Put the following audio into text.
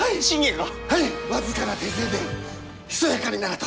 僅かな手勢でひそやかにならと。